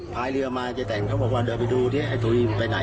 พายเรือมาเจ๊แต่งเขาบอกว่าเดินไปดูที่ไอ้ตุ๋ยมันไปไหน